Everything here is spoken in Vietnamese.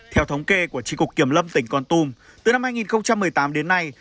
theo thống kê của tri cục kiểm lâm tỉnh con tum từ năm hai nghìn một mươi tám đến nay